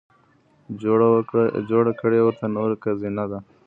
جوړه کړې ورته نورو که زينه ده